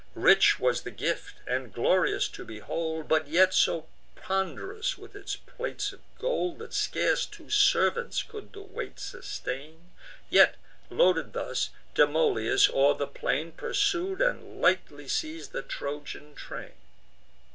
Rich was the gift, and glorious to behold, But yet so pond'rous with its plates of gold, That scarce two servants could the weight sustain; Yet, loaded thus, Demoleus o'er the plain Pursued and lightly seiz'd the Trojan train.